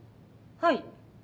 はい。